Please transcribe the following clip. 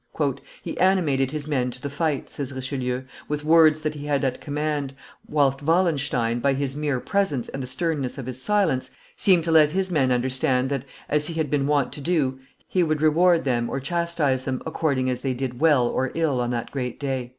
"He animated his men to the fight," says Richelieu, "with words that he had at command, whilst Wallenstein, by his mere presence and the sternness of his silence, seemed to let his men understand that, as he had been wont to do, he would reward them or chastise them, according as they did well or ill on that great day."